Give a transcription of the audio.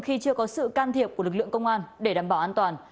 khi chưa có sự can thiệp của lực lượng công an để đảm bảo an toàn